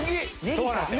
そうなんですよ。